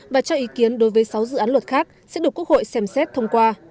và cho ý kiến đối với sáu dự án luật khác sẽ được quốc hội xem xét thông qua